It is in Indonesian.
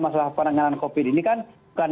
masalah penanganan covid ini kan bukan